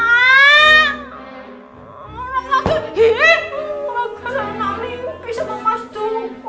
orang orang aku salah mimpi sama mas tungku